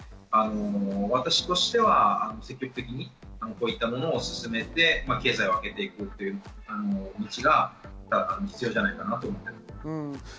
私としては積極的にこういうものを進めて経済を開けていく道が必要じゃないかなと思います。